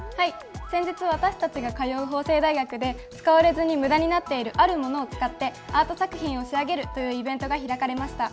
先日私たちが通う法政大学で使われずにむだになっているある物を使ってアート作品を仕上げるというイベントが開かれました。